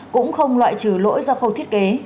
cũng không loại trừ lỗi do khâu thiết kế